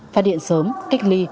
phát điện sớm cách ly